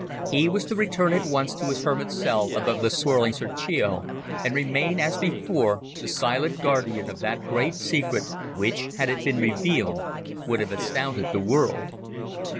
He was to return at once to his hermit cell above the swirling Serchio, and remain, as before, the silent guardian of that great secret which, had it been revealed, would have astounded the world.